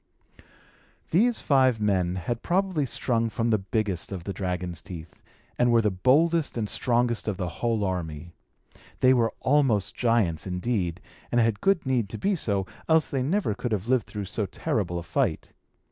These five men had probably sprung from the biggest of the dragon's teeth, and were the boldest and strongest of the whole army. They were almost giants, indeed, and had good need to be so, else they never could have lived through so terrible a fight.